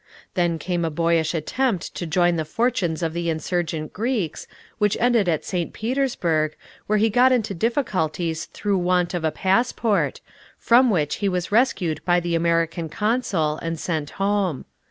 Then came a boyish attempt to join the fortunes of the insurgent Greeks, which ended at St. Petersburg, where he got into difficulties through want of a passport, from which he was rescued by the American consul and sent home.